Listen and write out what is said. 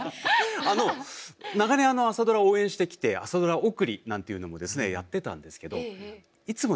長年朝ドラを応援してきて朝ドラ送りなんていうのもですねやってたんですけどいつもですね